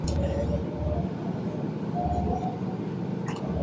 De hecho, a menudo es considerado en lo religioso como un integrista.